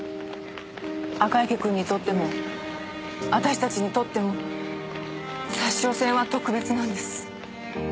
赤池くんにとっても私たちにとっても札沼線は特別なんです。